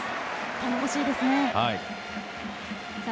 頼もしいですね。